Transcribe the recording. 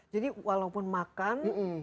jadi walaupun makan